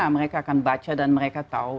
mereka akan baca dan mereka tahu